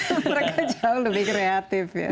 mereka jauh lebih kreatif ya